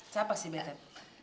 siapa si betet